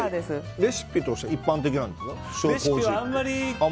レシピとしては一般的なんですか。